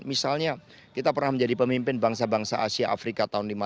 misalnya kita pernah menjadi pemimpin bangsa bangsa asia afrika tahun seribu sembilan ratus lima puluh